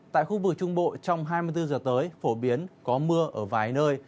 tại khu vực trung bộ trong hai mươi bốn giờ tới phổ biến có mưa ở vài nơi